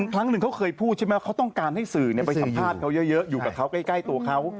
ครั้งหนึ่งเขาเคยพูดใช่ไหมว่าเขาต้องการให้สื่อไปสัมภาษณ์เขาเยอะอยู่กับเขาใกล้ตัวเขา